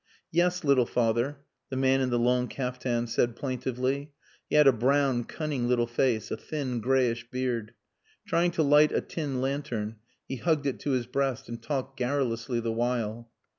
"Yes, little father," the man in the long caftan said plaintively. He had a brown, cunning little face, a thin greyish beard. Trying to light a tin lantern he hugged it to his breast and talked garrulously the while.